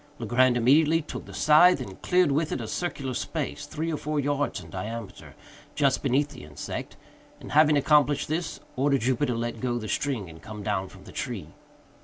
Legrand immediately took the scythe, and cleared with it a circular space, three or four yards in diameter, just beneath the insect, and, having accomplished this, ordered Jupiter to let go the string and come down from the tree.